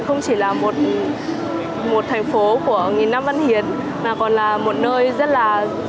không chỉ là một thành phố của nghìn năm văn hiến mà còn là một nơi rất là